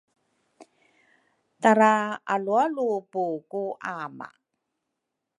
taraalualupu ku ama.